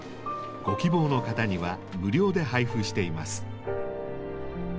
ご希望の方には無料で配布しています。